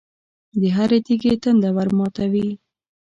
د هر تږي تنده ورماتوي.